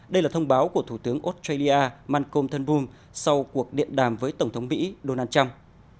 đây là thông báo của thủ tướng australia malcolm turnbull sau cuộc điện đàm với tổng thống mỹ donald trump